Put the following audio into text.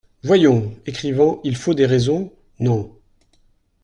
Voyons ! écrivant "Il faut des raisons…" non.